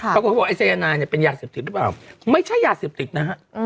เขาบอกไอสายนายเนี่ยเป็นยาเสพติดหรือเปล่าไม่ใช่ยาเสพติดนะฮะ